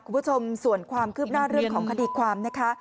คุณผู้ชมส่วนความคืบหน้าเรื่องของคดีความนะคะ